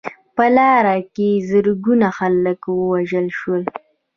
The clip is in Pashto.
په لاره کې زرګونه خلک ووژل شول.